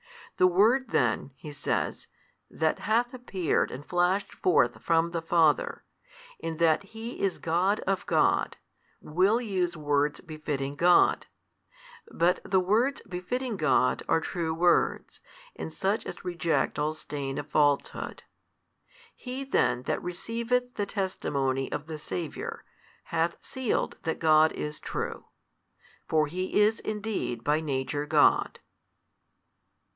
The Word then (he says) That hath appeared and flashed forth from the Father, in that He is God of God, will use words befitting God: but the words befitting God are true words, and such as reject all stain of falsehood. He then that receiveth the testimony of the Saviour hath sealed that God is true; for He is indeed by Nature God.